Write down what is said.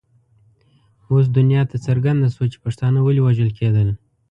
اوس دنیا ته څرګنده شوه چې پښتانه ولې وژل کېدل.